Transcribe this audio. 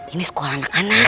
ini sekolah anak anak